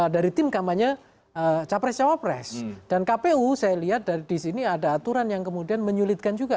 dari tim kampanye capres cawapres dan kpu saya lihat dari disini ada aturan yang kemudian menyulitkan juga